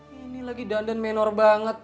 ini lagi dandan menor banget